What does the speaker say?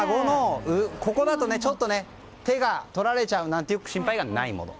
ちょっと手がとられちゃうなんて心配がないもの。